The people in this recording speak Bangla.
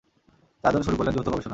চারজন শুরু করলেন যৌথ গবেষণা।